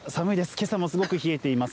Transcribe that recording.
けさもすごく冷えています。